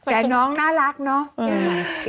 แต่น้องน่ารักเนาะ